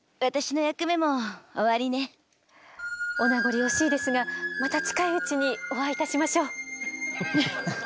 お名残惜しいですがまた近いうちにお会いいたしましょう。